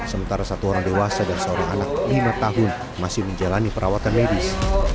sementara satu orang dewasa dan seorang anak lima tahun masih menjalani perawatan medis